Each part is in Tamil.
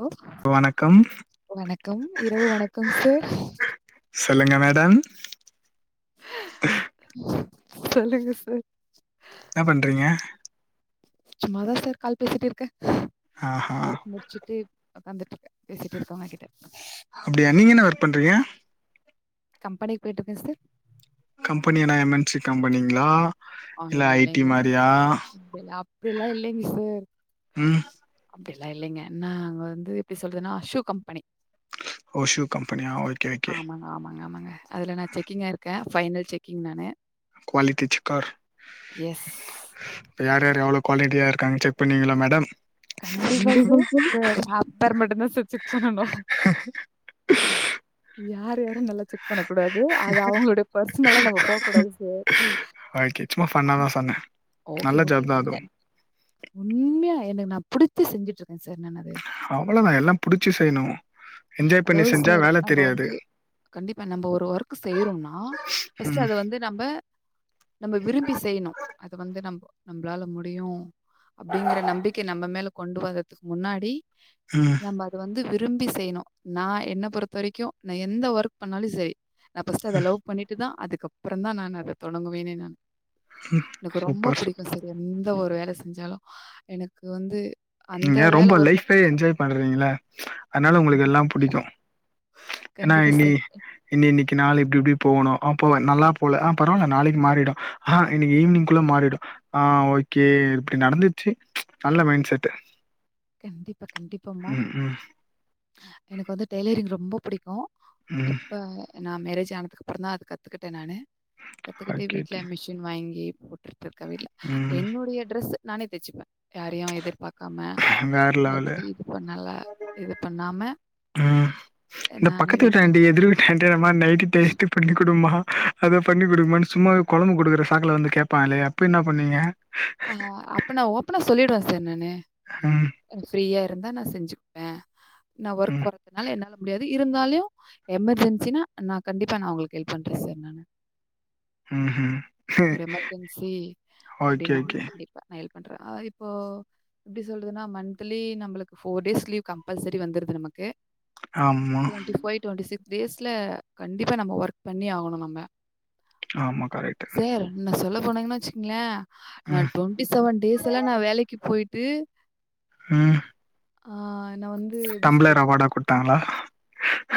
ஹலோ, வணக்கம் இரவு வணக்கம் சார் சொல்லுங்க மேடம் சொல்லுங்க சார் என்ன பண்றீங்க சும்மாதா சார் கால் பேசிட்டு இருக்க ஒர்க் முடிச்சுட்டு ஒக்காந்துட்டு இருக்க, பேசிட்டு இருக்க ஒங்கக்கிட்ட அப்டியா நீங்க என்ன ஒர்க் பண்றீங்க கம்பெனி போயிட்டுருக்கே சார் கம்பெனி என்னா எம் என் சி கம்பெனிங்களா ஆ இல்லைங், அப்டி இல்ல அப்டில்லா இல்லைங்க சார் அப்டிலா இல்லைங்க என்னா அங்க வந்து எப்டி சொல்றதுன்னா ஷூ கம்பெனி ஓ ஷூ கம்பெனியா ஓ ஆமாங்க ஆமாங்க ஆமாங்க அதுல நா செக்கிங்கா இருக்க ஃபைனல் செக்கிங் நானு குவாலிட்டி செக்கர் இப்ப யார் யாரு எவ்ளோ குவாலிட்டியா இருக்காங்க செக் பண்வீங்களா மேடம் கண்டிப்பா சார், சார் அப்பர் மட்டுந்தா சார் செக் பண்ணணு யார் யாரு நல்லா செக் பண்ணக்கூடாது அது அவங்களுடைய பர்சனலா நம்ம போவக்கூடாது சார் ஓகே சும்மா ஃபன்னாதா சொன்னே ஓகே ஓகே இல்ல உண்மையா எனக்கு நா புடிச்சு செஞ்சிட்டு இருக்கே சார் நானு அத அவ்ளோதா எல்லா புடிச்சு செய்யணு என்ஜாய் பண்ணி செஞ்சா வேல தெரியாது கண்டிப்பா நம்ம ஒரு ஒர்க் செய்றோனா ஃபஸ்ட் அது வந்து நம்ப நம்ப விரும்பி செய்யணு அத வந்து நம்ப நம்பளால முடியு அப்டிங்கற நம்பிக்கை நம்ப மேல கொண்டு வந்ததுக்கு முன்னாடி ம் நம்ப அத வந்து விரும்பி செய்யணு நா என்ன பொறுத்த வரைக்கு நா எந்த ஒர்க் பண்ணாலு சேரி நா ஃபஸ்ட் அத லவ் பண்ணிட்டுதா அதுக்கப்பறந்தா நானு அத தொடங்குவேனே நானு எனக்கு ரொம்ப புடிக்கு சார் எந்த ஒரு வேல செஞ்சாலு எனக்கு வந்து நீங்க ரொம்ப லைஃபே என்ஜாய் பண்றீங்கள அதனால உங்களுக்கு எல்லா புடிக்கு கண்டிப்பா சார் இன்னி இன்னைக்கி நாள் இப்டி இப்டி போவணு‌ ஆ போவே, நல்லா போல ஆ பரவாயில்ல நாளைக்கு மாறிடு, ஆ இன்னைக்கி ஈவினிங்குள்ள மாறிடு ஆ ஓகே இப்டி நடந்துச்சு நல்ல மைண்ட் செட் கண்டிப்பா கண்டிப்பாமா எனக்கு வந்து டெய்லரிங் ரொம்ப புடிக்கு இப்ப நா மேரேஜ் ஆனதுக்கு அப்பறந்தா அது கத்துக்கிட்டே நானு கத்துக்கிட்டு வீட்ல மிஷி ன் வாங்கி போட்டுட்டுருக்க வீட்ல என்னுடைய ட்ரெஸ் நானே தைச்சிப்பே யாரையு எதிர்பாக்காம யார்கிட்டயு இது பண்ணல இது பண்ணாம, அ நானே வீட்ல சம் டைம் இந்தமாரி நைட்டு டெஸ்ட்டு பண்ணி குடும்மா அத பண்ணி குடுமான்னு சும்மா கொழம்பு குடுக்குற சாக்குல வந்து கேப்பாங்க இல்லையா அப்ப என்னா பண்வீங்க ஆ அப்ப நா ஓப்பனா சொல்லிடுவ சார் நானு ம் ஃப்ரீயா இருந்தா நா செஞ்சுப்ப நா ஒர்க் போற அதனால என்னால முடியாது இருந்தாலு எமெர்ஜென்சினா நா கண்டிப்பா நா உங்களுக்கு ஹெல்ப் பண்ற சார் நானு ம் ம் ஓகே ஓகே கண்டிப்பா நா ஹெல்ப் பண்ணுற இப்போ எப்டி சொல்றதுனா மந்த்லி நம்மளுக்கு போர் டேஸ் லீவ் கம்பல்சரி வந்துருது நமக்கு க டு்வெண்ட்டி ஃபைவ் டுவெண்ட்டி சிக்ஸ் டேஸல் கண்டிப்பா நம்ம ஒர்க் பண்ணி ஆகணு நம்ம ஆமா கரெக்டு நா சொல்ல போனாங்கன்னு வெச்சுக்கோங்க நா டுவெண்ட்டி செவன் டேஸ்ல எல்லா நா வேலைக்கு போயிட்டு ம் அ நா வந் டம்ளர் அவார்டா குடுத்தாங்ளா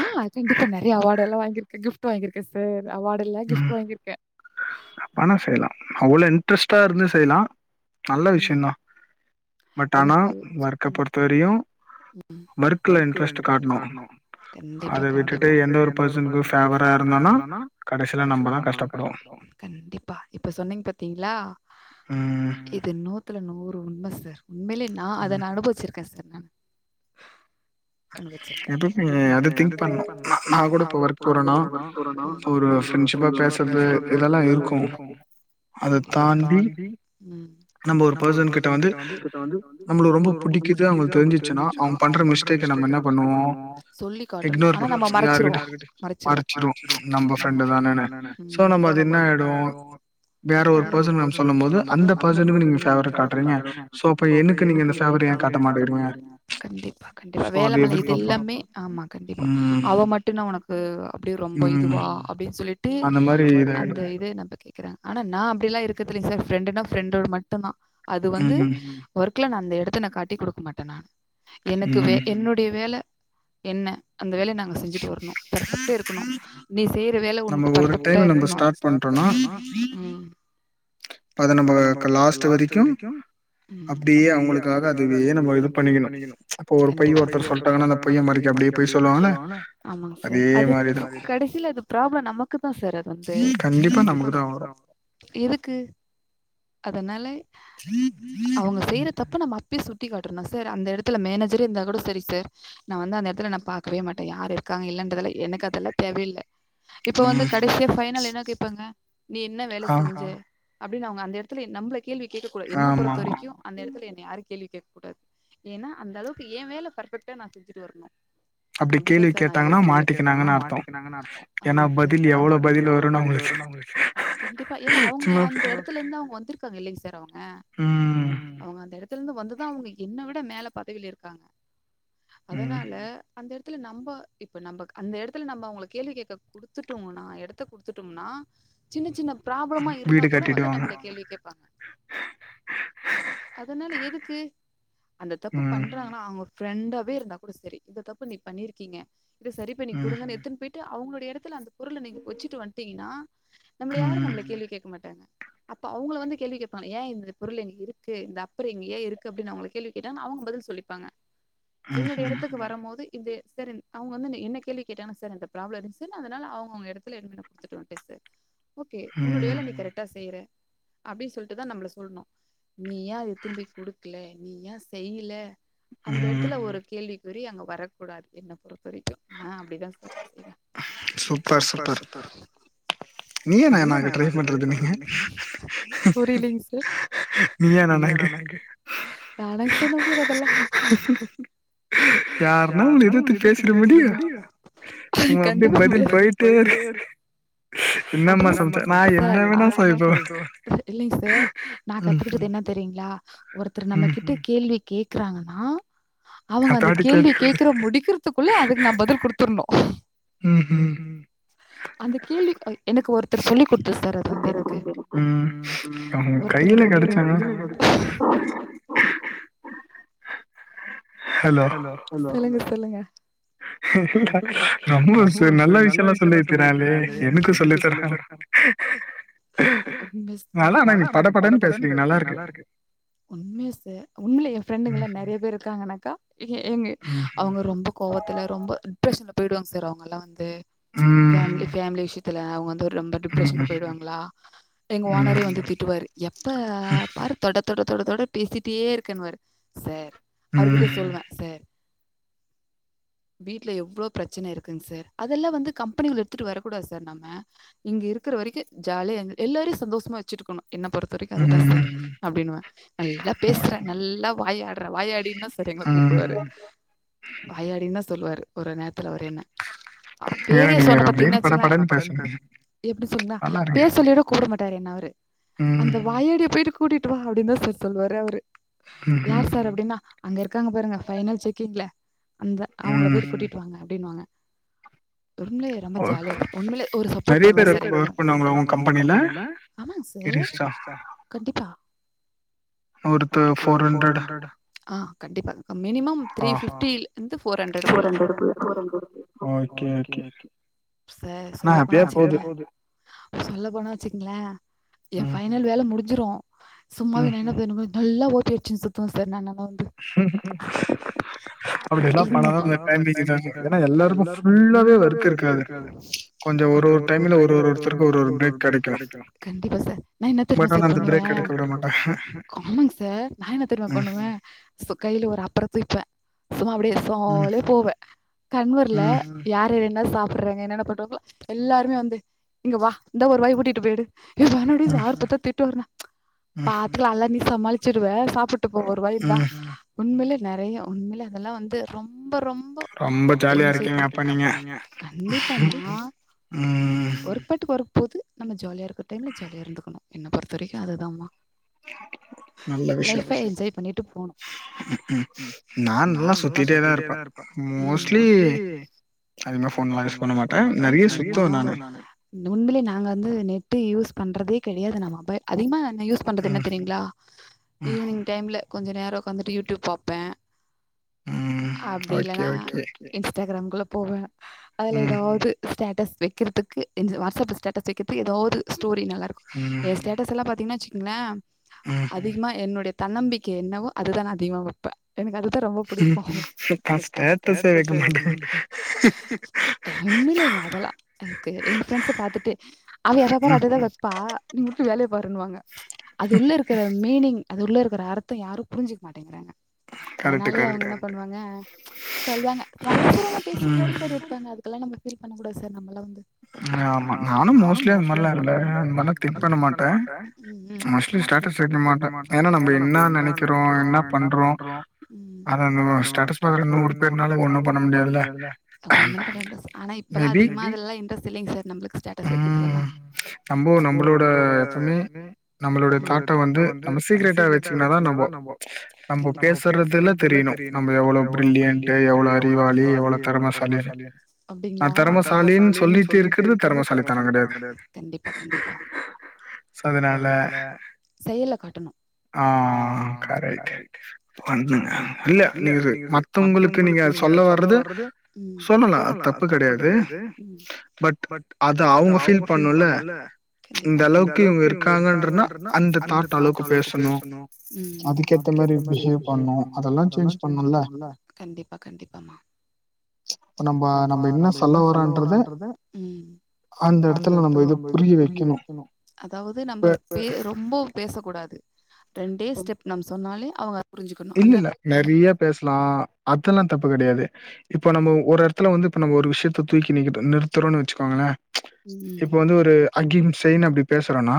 அ கண்டிப்பா நறைய அவார்டல்லா வாங்கியிருக்க கிஃப்ட் வாங்கியிருக்க சார் அவார்ட் இல்ல கிஃப்ட் வாங்கிருக்க ஆனா செய்லா அவ்ளோ இன்ட்ரெஸ்ட்டா இருந்து செய்லா நல்ல விஷயோந்தா பட் ஆனா ஒர்க்கப் பொறுத்த வரையு ஒர்க்ல்ல இன்டெரெஸ்ட்ட காட்டனோ கண்டிப்பா கண்டிப்பா அது விட்டுட்டு எந்த ஒரு பார்சன்க்கு விருப்பத்துக்கு ஃபேவரா இருந்தனா கடைசியில நம்மதா கஷ்டப்படுவோ கண்டிப்பா இப்ப சொன்னீங்க பாத்தீங்ளா இது நூத்துல நூறு உண்ம சார் உண்மையிலே நா அத நா அனுபவிச்சிருக்க சார் நா அனுபவச்சிருக்க இதுமே அத திங்க் பண்ணும் நா கூட இப்ப ஒர்க் நா ஒர்க் போறனா ஒரு ஃப்ரெண்ட்ஷிப்பா பேசறது இதெல்லா இருக்கோ அது தாண்டி ம் நம்ம ஒரு பர்சன் கிட்ட வந்து வந்து நம்மளுக்கு ரொம்ப பிடிக்குது அவுங்ளுக்கு தெரிஞ்சி ச்சின்னா அவுங்க பண்ற மிஸ்டேக்க நம்ம என்ன பண்ணுவோ சொல்லி காட்டணும் ஆனா நம்ம மறச்சிடுவோ யாருகிட்டயு மறச்சிடுவோ மறச்சிருவோ நம்ம ஃப்ரெண்டு தானேனு சோ நம்ம அது என்ன ஆயிடோ வேற ஒரு பர்சன் நம் சொல்லும் போது அந்த பர்சனுக்கு நீங்க ஃபேவரட் காட்றீங்க சோ அப்போ எனுக்கு நீங்க என்ன ஃபேவர் ஏ காட்ட மாட்டக்கிறீங்க கண்டிப்பா கண்டிப்பா வேல மேல இது எல்லாமே ஆமா கண்டிப்பா அவ மட்டுன்னா உனக்கு அப்டியே ரொம்ப இதுவா அப்டின்னு சொல்லி ட்டு அந்த மாரி அந்த இது நமக்கு க்கிறாங்க ஆனா நா அப்டி எல்லா இருக்கதுலைங் சார் ஃப்ரெண்டுனா ஃப்ரெண்டோட மட்டுந்தா அது வந்து ஒர்க்ல நா அந்த எடத்த நா காட்டி குடுக்க மாட்ட நா எனக்கு வே என்னுடைய வேல என்ன அந்த வேல நா நா செஞ்சுட்டு வரனோ பர்ஃபெக்ட்டா இருக்கனோ நீ செய்ற வேல உனக்கு பர்ஃபெக்ட்டா இருக்கனோ ஸ்டார்ட் பண்றோனா இப்ப அத நம்ம க லாஸ்ட் வரிக்கோ அப்டியே அவங்களுக்காக அதுவே நம்ம இது பண்ணிக்கனோ இப்ப ஒரு பொய் ஒருத்தர் சொல்ட்டாங்கன்னா அந்த பொய்ய மறைக்க அப்டியே பொய் சொல்லுவாங்கள ஆமாங் சார் அது கடைசியில அது ப்ராப்ளம் நமக்கு தா சார் அது வந்து கண்டிப்பா நமக்கு தா வரோ எதுக்கு அதனால அவங்க செய்யற தப்ப நம்ம அப்பயே சுட்டி காட்டனோ சார் அந்த எடத்துல மேனேஜரே இருந்தா கூட சரி சார் நா வந்து அந்த எத்துல நா பாக்கவே மாட்ட யார் இருக்காங்க இல்லன்றதல்லா எனக்கு அதெல்லா தேவையே இல்ல இப்ப வந்து கடைசியா ஃபைனல் என்ன கேப்பாங்க நீ என்ன வேல செஞ்ச அப்டின்னு அவுங்க அந்த எடத்துல நம்பள கேள்வி கேக்க கூடாது என்ன பொறுத்த வறைக்கு அந்த எடத்துல என்ன யாரு கேள்வி கேக்கூடாது ஏனா அந்த அளவுக்கு எ வேல பர்ஃபெக்ட்டா நா செஞ்சுட்டு வரனு அப்டித்தா சார் நா யோசிப்ப ஆமாங் சார் கண்டிப்பா ஏனா அவுங்க அந்த எடத் துலருந்து அவுங்க வந்துருக்காங்க இல்லைங் சார் அவுங்க அவுங்க அந்த எடத்துல இருந்து வந்துதா அவுங்க என்ன வி ட்ட மேல பதவில இருக்காங்க அதனால அந்த எடத்துல நம்ப இப்ப நம்ப அந்த எடத்துல நம்ப அவுங்ள கேள்வி கேக்க குடுத்துட்டோன்னா எடத்த குடுத்துட்டம்னா சின்ன சின்ன ப்ராப்ளமா இருந்தா கூட வந்து நம்ள கேள்வி கேப்பாங்க அதனால எதுக்கு அந்த தப்பு பண்றாங்கனா அவுங்க ஃப்ரெண்டாவே இருந்தா கூட சரி இந்த தப்பு நீ பண்ணிருக்கீங்க இந்த தப்ப சரி பண்ணி குடுங்கனு எத்துன்னு போயிட்டு அவுங்ளுடைய எடத்துல அந்த பொருள நீங்க வெச்சிட்டு வந்ட்டீங்கன்னா நம்மள யாரு நம்மள கேள்வி கேட்க மாட்டாங்க அப்ப அவுங்கள வந்து கேள்வி கேப்பாங்க ஏ இந்த பொருள் இங்க இருக்கு இந்த அப்பறோ எங்க ஏ இருக்கு அப்டின்னு அவங்கள கேள்வி கேட்ட அவங்க பதில் சொல்லிப்பாங்க என்னுடய எடத்துக்கு வரும்போது இது சர் அவுங்க வந்து என்ன என்ன கேள்வி கேட்டாங்கன்ன சார் அந்த ப்ராப்ளோ இருந்சு நா அதனால அவுங்க அவுங்க எடத்துல நின்னு நா குடுத்துட்டு வன்டே சார் ஓகே உன்னோடய வேல நீ கரெக்டா செய்ற அப்டி சொல்ட்டுதா நம்பள சொல்ணு நீ ஏ அத எத்துன் போய் குடுக்கல நீ ஏ செய்ல அந்த எடத்துல ஒரு கேள்வி கொரி அங்க வரக்கூடாது என்ன பொறுத்த வரைக்கு நா அப்டிதா சார் நா செய்றே சூப்பர் சூப்பர் நீயா நனாக்கு ட்ரை பண்றது நீங்க நீயா நானக்கு வேணாங் சார் நம்ளுக்கு அதெல்லா யார்ன்னா உன்ன எதிர்த்து பேசிட முடியு சும்மா அப்டியே பதில் போய்ட்டே இருக் அது சார் அ இல்லைங் சார் நா கத்துக்கிட்டது என்ன தெரியுங்களா ஒருத்தர் நம்ம கிட்ட கேள்வி கேக்கறாங்கன்னா அவுங்க அந்த கேள்வி கேக்ற முடிக்கற த்துக்குள்ள அதுக்கு நா பதில் குடுத்தர்னு அந்த கேள்வி எனக்கு ஒருத்தர் சொல்லி் குடுத் தது சார் அது வந்து எனக்கு ஒருத்தர் சொல்லுங்க சொல்லுங்க இல்ல ரொம்ப நல்ல விஷயல்லா சொல்லிருக்காலே எனக்கு சொல்லி தர அப்டி நல்லா ஆனா நீ படப்படன்னு பேசுறீங்க நல்லாருக்கு உண்மே சார் உண்மைலயே என் ஃப்ரெண்டுங்கெல்லா நெறைய பேர் இருக்காங்கா நா இல்ல இங்க அவங்க ரொம்ப கோபத்துல ரொம்ப டிப்ரஷன்ல போயிடுவாங்க சார் அவங்க எல்லா வந் து பேமிலி பேமிலி விஷயத்துல அவங்க வந்து ரொம்ப டிப்ரஷன்ல போயிடுவாங்களா எங்க ஓனரே வந்து தீட்டுவாரு எப்ப பாரு தொட தொட தொட தொட பேசிட்டே இருக்கன் வாரு சார் அவரு கிட்ட சொல்வே சார் வீட்ல எவ்ளோ பிரச்சன இருக்குங் சார் அதெல்லா வந்து கம்பெனிகுள்ள எடுத்துட்டு வரக்கூடாது சார் நம்ம இங்க இருக்கற வரைக்கு ஜாலியா இருந் எல்லாரயு சந்தோஷமா வெச்சுருக்கணு என்ன பொறுத்த வரைக்கு அதுதா சார் அப்டின்னுவ நல்லா பேசற நல்லா வாயாடற வாயாடின்தா சேரிங்களா கூப்பிடுவாரு வயாடின்னு தா சொல்லுவாரு ஒரு நேரத்துல அவரு என்ன பேரா சொன்ன பாத்தீங்கன்னா எப்படின்னு சொல்லு பேர் சொல்ல கூட கூப்பிட மாட்டாரு என்ன அவரு அந்த வாயாடி அப்டி கூட்டிட்டு வா அப்டின்னு தா சொல்லி சொல்லுவாரு அவரு யார் சார் அப்டின்னா அங்க இருக்காங்க பாருங்க பைனல் செக்கிங்களல அந்த அவங்கள போயிட்டு கூட்டிட்டு வாங்க அப்டின்னுவாங்க உண்மைலே ரொம்ப ஜாலி உண்மேலே ஒரு சப்போர்ட் பண்ணுவா ஆமாங்க சார் கண்டிப்பா கண்டிப்பா மினிமம் த்ரீ பிப்டி இருந்து போர் ஹண்டர்க்குள்ள ஓகே ஓகே சார் சொல்லப்போனா சொல்ல போனா வெச்சுங்களே ஏ பைனல் வேல முடிஞ்சிரு சும்மாவே நா என்ன பண்ணுவ நல்லா ஓ பி அடிச்சுனு சுத்துவே சார் நா வந்து ம் அப்டி எல்லா பணதா இந்த டைமிங்ன் ஏன்னா எல்லாருக்கு ஃபுல்லாவே ஒர்க் இருக்காது கொஞ்சோ ஒரு ஒரு டைம்ல ஒரு ஒருத்தருக்கு ஒரு ஒரு பிரேக் கிடைக்கு தெரிமா சார் பண்ணுவே ஆமாங்க சார் நா என்ன தெரிமா பண்ணுவே சோ கைல ஒரு அப்பற தூக்கிப்பே சும்மா அப்டியே சாலியா போவே கண்வர்ல யார் என்னென்ன சாப்புட்றாங்க என்னென்ன பண்றா எல்லாருமே வந்து இங்க வா இந்த ஒரு வாய் ஊட்டிட்டு போயிடு ஏ வேணாடி சார் பாத்தா திட்டுவாருன்னா பாத்துக்கலா அதெல்லா நீ சமாளிச்சிடுவே சாப்ட்டு ட்டு போ ஒரு வாயில இந்தா உண்மைல நெறய உண்மைல அதெல்லா வந்து ரொம்ப ரொம்ப ரொம்ப ஜாலியா இருக்கீங்க அப்ப நீங்க ஒர்க் பாட்டுக்கு ஒர்க் போகுது நம்ம ஜாலியா இருக்குற டைம்ல ஜாலியா இருந்துக்கணு என்ன பொறுத்த வரைக்கு அதுதாம்மா நல்ல விஷயோ ம் நா நல்லா சுத்திட்டே தா இருப்பே மோஸ்ட்லி அதிகமா ஃபோன்ல்லா யூஸ் பண்ண மாட்டே நெறய சுத்துவே நானு இந்த உண்மைலே நாங்க வந்து நெட்டு யூஸ் பண்றதே கெடையாது நா மொபைல் அதிகமா யூஸ் பண்றது என்ன தெரியுங்களா ஈவினிங் டைம்ல கொஞ்ச நேரோ வந்துட்டு யூடியூப் பாப்பே அப்டி இல்லனா இன்ஸ்டாகிராம்குள்ள போவே அதுல ஏதாவது ஸ்டேட்டஸ் வைக்கிறதுக்கு வாட்ஸ்அப் ஸ்டேட்டஸ் வைக்கிறதுக்கு ஏதாவது ஸ்டோரி நல்லா இருக்கு ஏ ஸ்டே ஸ்டேட்டஸ் எல்லா பாத்தீங்கன்னா வெச்சுங்களே அதிகமா என்னுடைய தன்னம்பிக்கை என்னவோ அதுதா நா அதிகமா வைப்பே எனக்கு அதுதா ரொம்ப புடிக்கு உண்மைலேங்க அதெல்லா இருக்கு எங்க ஃப்ரெண்ட்ஸ பாத்துட்டு அவ எப்ப பாரு அததா ப்பா நீங்க போய் வேலைய பாருன்னுவாங்க அது உள்ள இருக்குற மீனிங் அது உள்ள இருக்குற அர்த்த யாரு புரிஞ்சுக்க மாட்டேங்கிறாங்க அதனாலயே அவுங்க என்ன பண்ணுவாங்க சொல்லுவாங்க பேசுறன பேசிட்டு தா சார் இருப்பாங்க அது அதுக்கெல்லா நம்ம ஃபீல் பண்ண சார் நம்மளா வந்து ஆமா நானு மோஸ்ட்லியா அந்த மாரிலா இருந்தே அந்த மாரிலா திங்க் பண்ண மாட்டே ம் மோஸ்ட்லி ஸ்டேட்டஸ் வைக்க மாட்டே ஏன்னா நம்ம என்னா நெனக்கிறோ வைக்கிறோ என்ன பண்றோ அத ஸ்டேட்டஸ் [unintelligible] ஒண்ணு பண்ண முடியாதுல்ல ஒண்ணு ஆனா இப்பெல்லா அதிகமா அதுலா இன்ட்ரெஸ்ட் இல்லங்க சார் நம்மளுக்கு ஸ்டேட்டஸ் வைக்கிறதுல்லா நம்போ நம்மளோட எப்புமே நம்மளோட தாட்ட வந்து நம்ம சீக்கிரெட்டா வெச்சுக்கனாதா நம்போ நம்ம பேசுறதுல தெரியணு நம்ம எவ்ளோ பிரில்லியன்ட்டு எவ்ளோ அறிவாளி எவ்ளோ தெரமசாலினு அப்டிங்களா அப்டின் சொல்லிட்டு இருக்குறது தெரமசாலித்தன கெடையாது அதனால ஆ இல்ல நீங்க மத்தவங்களுக்கு நீங்க சொல்ல வறது சொல்லலா அது தப்பு கெடையாது பட் அத அவுங்க ஃபீல் பண்ணும்ல இந்தந்தளவுக்கு இவுங்க இருக்காங்கன்றனா அந்த தாட் அளவுக்கு பேசணு அதுக்கேத்த மாரி ஃபீல் பண்ணு அதெல்லா சேஞ்ச் பண்ணும்ல இப்ப நம்ம நம்ம என்ன சொல்ல வரன்றது அந்த எடத்துல நம்ம இத புரிய வைக்கணு அதாவது நம்ம பே ரொம்ப பேச கூடாது ரெண்டே ஸ்டெப் நம் சொன்னாலே அவுங்க இல்ல இல்ல நெறய பேசலா அதெலா தப்பு கெடையாது இப்போ நம்ம ஒரத் இதுல வந்து இப்ப நம்ம ஒரு விஷயத்த தூக்கி நி நிறுத்துறோம்ன்னு வச்சுக்கோங்களே இப்ப வந்து ஒரு அகிம்சையின்னு அப்டி பேசுறனா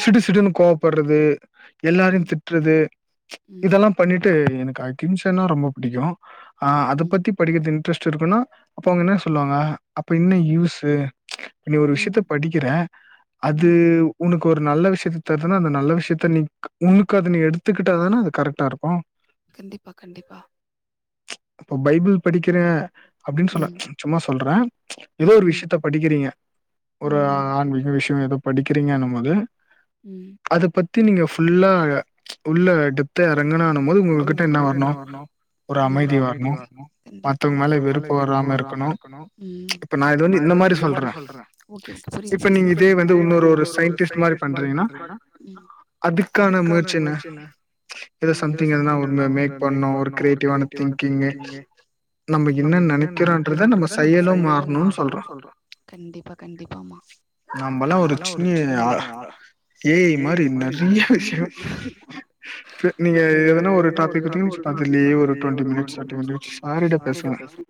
சிடு சிடுன்னு கோவப்படுறது எல்லாரயு திட்றது இதெல்லா பண்ணிட்டு எனக்கு அகிம்சன்னா ரொம்ப புடிக்கு ஆ அத பத்தி படிக்கிறதக்கு இன்ட்ரெஸ்ட் இருக்குனா அப்ப அவுங்க என்ன சொல்லுவாங்க அப்ப என்ன யூஸு நீ ஒரு விஷயத்த படிக்கிற அது உனக்கு ஒரு நல்ல விஷயத்த தருதுன்னா அந்த நல்ல விஷயத்த நீ உன்னுக்கு அத நீ எடுத்துக்கிட்டாதானே அது கரெக்ட்டா இருக்கு கண்டிப்பா கண்டிப்பா இப்ப பைபிள் படிக்கிற அப்படின்னு சொல்ல சும்மா சொல்றே ஏதோ ஒரு விஷயத்த படிக்கிறீங்க ஒரு ஆன்மீ எ விஷய ஏதோ படிக்கிறீங்கன்னும்போது ம் அத பத்தி நீங்க ஃபுல்லா உள்ள டிப் எறங்கன ஆனும் போது உங்ககிட்ட என்ன வரணு ஒரு அமைதி வரணு மத்தவங்க மேல வெருப்பு வராம இருக்கணு இப்ப நா இது வந்து இந்த மாரி சொல்றே இப்ப நீங்க இதே வந்து இன்னொரு ஒரு சைன்டிஸ்ட் மாரி பண்றீங்கன்னா ம் அதுக்கான முயற்சி என்ன எதோ சம்திங் சம்திங் எதுனா ரொ மேக் பண்ணோ ஒரு கிரியேட்டிவான திங்கிங்கு நமக்கு என்ன நெனைக்கிறோன்றத நம்ம செயலும் மாறணுனு சொல்றே நம்மல்லா ஒரு சின்னி ஆ ஏய் மாரி நெறைய விஷய நீங்க எதுனா ஒரு டாபிக் பாதிக் வச்சுங்க அதுலயே ஒரு டுவெண்ட்டி மினிட்ஸ் தேர்டி மினிட்ஸ் சாரிடா பேசலா